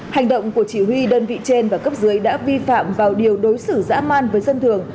hành động của chỉ huy đơn vị trên và cấp dưới đã vi phạm vào điều đối xử dã man với dân thường